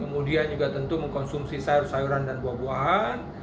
kemudian juga tentu mengkonsumsi sayur sayuran dan buah buahan